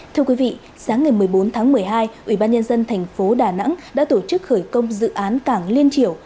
thưa quý vị sáng ngày một mươi bốn tháng một mươi hai ủy ban nhân dân thành phố đà nẵng đã tổ chức khởi công dự án cảng liên chiểu